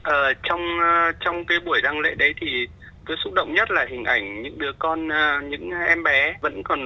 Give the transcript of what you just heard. ở trong cái buổi đăng lễ đấy thì cứ xúc động nhất là hình ảnh những đứa con những em bé vẫn còn